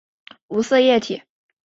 无色液体。